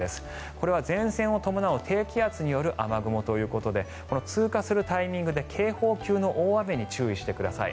これは前線を伴う低気圧による雨雲ということでこの通過するタイミングで警報級の大雨に注意してください。